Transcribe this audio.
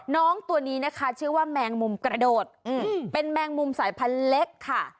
น้องตัวนี้นะคะชื่อว่าแมงมุมกระโดดเป็นแมงมุมสายพันธุ์เล็กค่ะ